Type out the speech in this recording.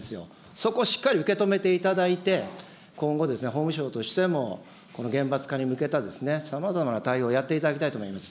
そこをしっかり受け止めていただいて、今後、法務省としても、この厳罰化に向けたさまざまな対応やっていただきたいと思います。